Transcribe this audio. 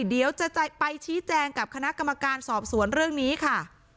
เดี๋ยวจะไปชี้แจงกับคณะกรรมการสอบสวนเรื่องนี้ค่ะ